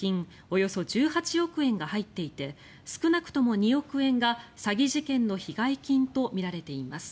およそ１８億円が入っていて少なくとも２億円が詐欺事件の被害金とみられています。